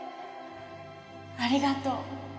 ありがとう。